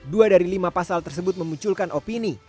dua dari lima pasal tersebut memunculkan opini